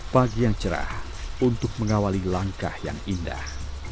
pagi yang cerah untuk mengawali langkah yang indah